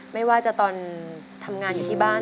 ไม่ว่าจะตอนทำงานอยู่ที่บ้าน